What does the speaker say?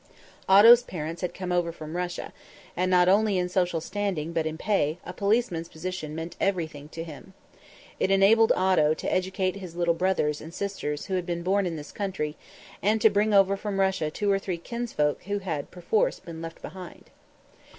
Otto's parents had come over from Russia, and not only in social standing but in pay a policeman's position meant everything to him. It enabled Otto to educate his little brothers and sisters who had been born in this country, and to bring over from Russia two or three kinsfolk who had perforce been left behind.